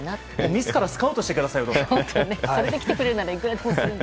自らスカウトしてくださいよ有働さん。